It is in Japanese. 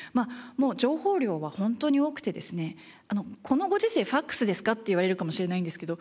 情報量は本当に多くてですねこのご時世ファクスですか？って言われるかもしれないんですけど。